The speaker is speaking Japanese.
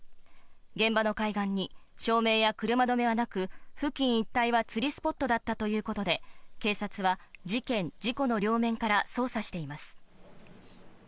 現場の海岸に照明や車止めはなく、付近一帯は釣りスポットだったということで、警察は事件・事故の両面から捜査しています。